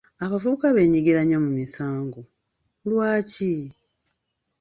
Abavubuka beenyigira nnyo mu misango, lwaki?